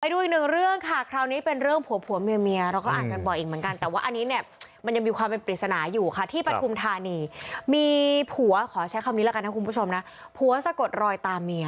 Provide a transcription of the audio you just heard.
ดูอีกหนึ่งเรื่องค่ะคราวนี้เป็นเรื่องผัวผัวเมียเมียเราก็อ่านกันบ่อยอีกเหมือนกันแต่ว่าอันนี้เนี่ยมันยังมีความเป็นปริศนาอยู่ค่ะที่ปฐุมธานีมีผัวขอใช้คำนี้แล้วกันนะคุณผู้ชมนะผัวสะกดรอยตามเมีย